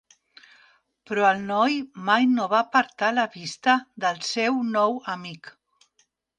Però el noi mai no va apartar la vista del seu nou amic.